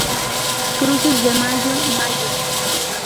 Cruces de mayo, mayo.